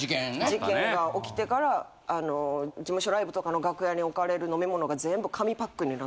事件がおきてから事務所ライブとかの楽屋に置かれる飲み物が。